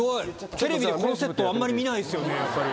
テレビでこのセットあんまり見ないですよね。